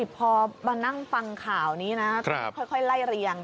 พอมานั่งฟังข่าวนี้นะค่อยไล่เรียง